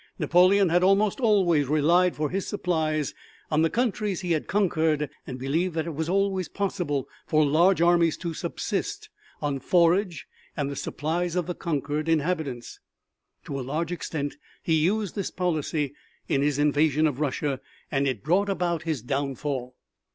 Napoleon had almost always relied for his supplies on the countries he had conquered and believed that it was always possible for large armies to subsist on forage and the supplies of the conquered inhabitants. To a large extent he used this policy in his invasion of Russia and it brought about his downfall.